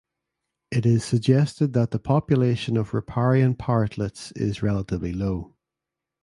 It is suggested that the population of riparian parrotlets is relatively low.